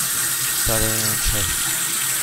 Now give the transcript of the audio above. برای امشب.